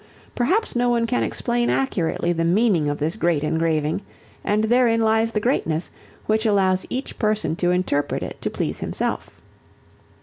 Perhaps no one can explain accurately the meaning of this great engraving and therein lies the greatness, which allows each person to interpret it to please himself.